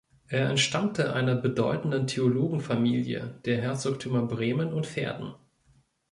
Er entstammte einer bedeutenden Theologenfamilie der Herzogtümer Bremen und Verden.